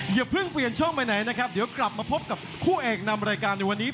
อย่าเพิ่งเปลี่ยนช่องไปไหนนะครับเดี๋ยวกลับมาพบกับคู่เอกนำรายการในวันนี้